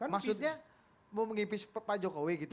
maksudnya mau mengipis pak jokowi gitu